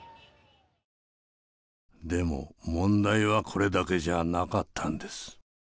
でも問題はこれだけじゃなかったんです。